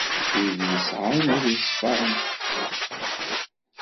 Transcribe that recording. Wid i yesɛan ul yeṣfan.